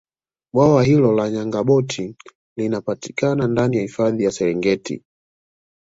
bwawa hilo la nyabogati linapatikana ndani ya hifadhi ya serengeti